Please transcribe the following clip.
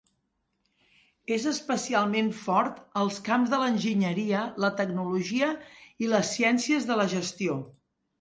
És especialment fort als camps de l"enginyeria, la tecnologia i les ciències de la gestió.